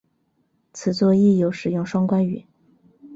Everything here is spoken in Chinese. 此作亦有使用双关语。